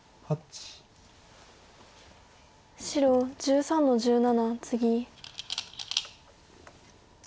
白１３の十七ツギ。